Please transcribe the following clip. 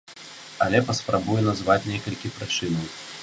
Але паспрабую назваць некалькі прычынаў.